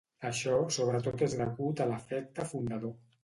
Això sobretot és degut a l'efecte fundador.